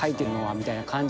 みたいな感じ。